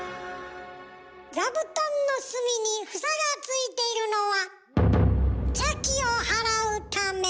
座布団の隅に房がついているのは邪気を払うため。